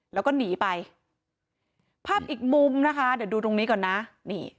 แล้วก็หนีไปภาพอีกมุมนะคะเดี๋ยวดูตรงนี้ก่อนนะนี่